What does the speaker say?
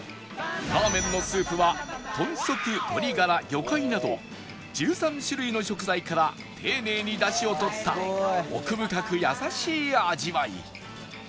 ラーメンのスープは豚足鶏ガラ魚介など１３種類の食材から丁寧にダシをとった奥深く優しい味わい